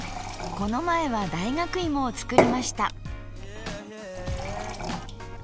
この前は大学芋を作りました。